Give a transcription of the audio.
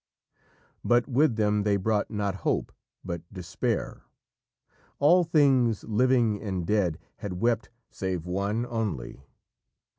_" But with them they brought not hope, but despair. All things, living and dead, had wept, save one only.